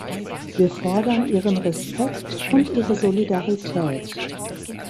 Wir fordern Ihren Respekt und Ihre Solidarität.